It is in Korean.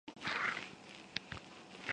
봐요.